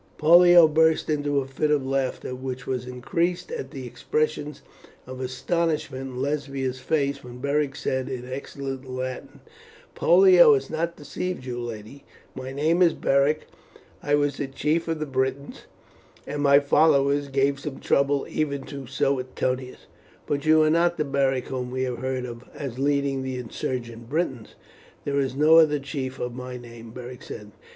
Pollio burst into a fit of laughter, which was increased at the expression of astonishment in Lesbia's face when Beric said, in excellent Latin, "Pollio has not deceived you, lady. My name is Beric, I was the chief of the Britons, and my followers gave some trouble even to Suetonius." "But you are not the Beric whom we have heard of as leading the insurgent Britons?" "There is no other chief of my name," Beric said.